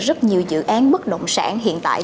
rất nhiều dự án bất động sản hiện tại